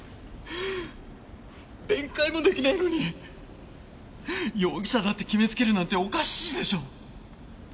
弁解も出来ないのに容疑者だって決めつけるなんておかしいでしょう。